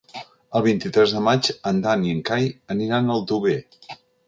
El vint-i-tres de maig en Dan i en Cai aniran a Aldover.